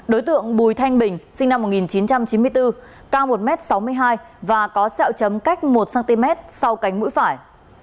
đối tượng bùi thanh bình sinh năm một nghìn chín trăm chín mươi bốn cao một m sáu mươi hai và có sẹo chấm cách một cm sau cánh mũi phải